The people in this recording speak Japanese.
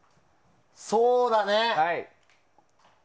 そうだね。